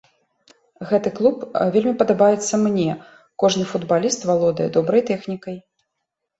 Гэты клуб вельмі падабаецца мне, кожны футбаліст валодае добрай тэхнікай.